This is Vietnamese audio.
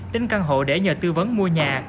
đến căn hộ để nhờ tư vấn mua nhà